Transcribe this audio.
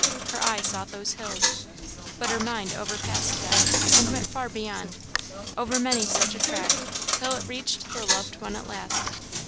Her eye sought those hills but her mind overpassed them, and went far beyond, over many such a tract, till it reached the loved one at last.